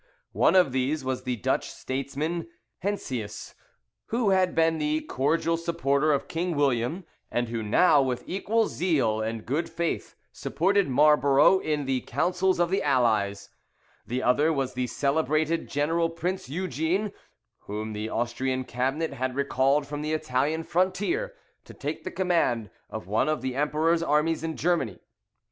One of these was the Dutch statesman Heinsius, who had been the cordial supporter of King William, and who now, with equal zeal and good faith, supported Marlborough in the councils of the Allies; the other was the celebrated general Prince Eugene, whom the Austrian cabinet had recalled from the Italian frontier, to take the command of one of the Emperor's armies in Germany.